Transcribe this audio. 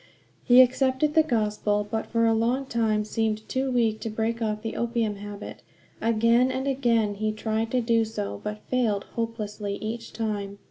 He accepted the Gospel, but for a long time seemed too weak to break off the opium habit. Again and again he tried to do so, but failed hopelessly each time.